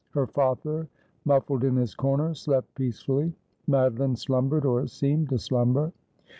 Her father, muffled in his corner, slept peacefully. Madoline slumbered, or seemed to slumber.